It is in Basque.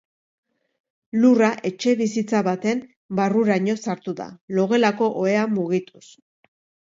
Lurra etxebizitza baten barruraino sartu da, logelako ohea mugituz.